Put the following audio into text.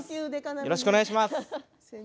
よろしくお願いします。